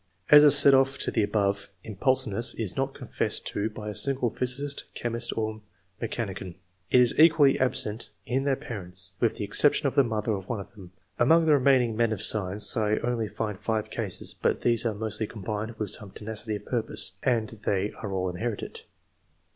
As a set off to the above, Impulsiveness is not confessed to by a single physicist, chemist, or mechanician. It is equally absent in their parents, with the exception of the mother of one of them. Among the remaining men of science, I only find 5 cases, but these are mostly combined with some tenacity of purpose, and they are all inherited.